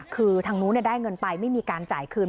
คือทางนู้นได้เงินไปไม่มีการจ่ายคืน